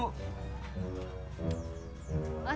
oh siap bang